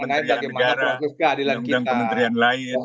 dan undang undang pementerian lain